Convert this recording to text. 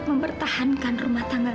kamila masih ada warna manjatau itu baik